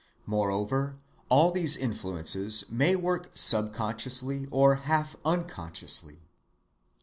Moreover, all these influences may work subconsciously or half unconsciously.